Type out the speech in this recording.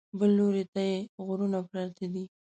بل لوري ته یې غرونه پراته دي.